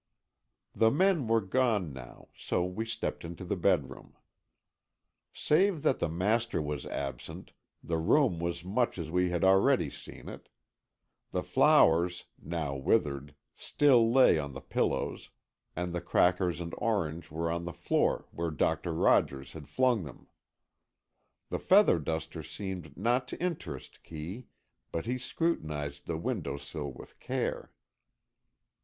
The men were gone now, so we stepped into the bedroom. Save that the master was absent, the room was much as we had already seen it. The flowers, now withered, still lay on the pillows, and the crackers and orange were on the floor where Doctor Rogers had flung them. The feather duster seemed not to interest Kee, but he scrutinized the window sill with care.